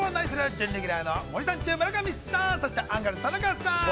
準レギュラーの森三中村上さん、そして、アンガールズ田中さん。